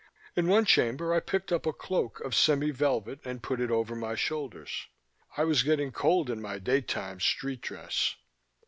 In one chamber I picked up a cloak of semi velvet and put it over my shoulders; I was getting cold in my daytime street dress.